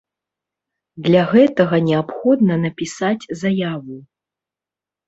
Для гэтага неабходна напісаць заяву.